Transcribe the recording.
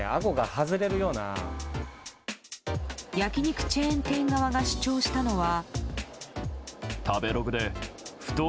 焼き肉チェーン店側が主張したのは。